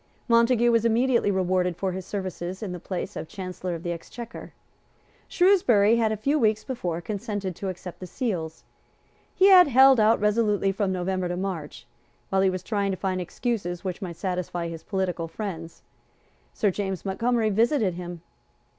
Montague was immediately rewarded for his services with the place of Chancellor of the Exchequer. Shrewsbury had a few weeks before consented to accept the seals. He had held out resolutely from November to March. While he was trying to find excuses which might satisfy his political friends, Sir James Montgomery visited him.